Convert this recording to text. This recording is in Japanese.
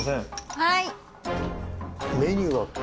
はい。